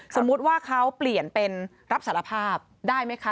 สมมุติว่าเขาเปลี่ยนเป็นรับสารภาพได้ไหมคะ